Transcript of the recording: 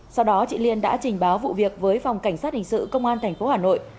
sau đó chị liên đã trình báo vụ việc với phòng cảnh sát hình sự công an tp hà nội